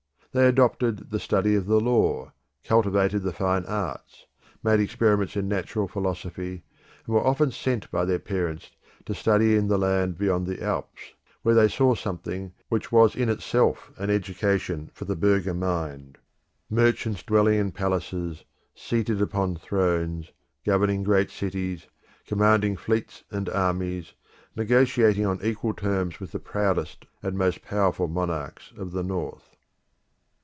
They adopted the study of the law, cultivated the fine arts, made experiments in natural philosophy, and were often sent by their parents to study in the land beyond the Alps, where they saw something which was in itself an education for the burgher mind merchants dwelling in palaces, seated upon thrones, governing great cities, commanding fleets and armies, negotiating on equal terms with the proudest and most powerful monarchs of the North.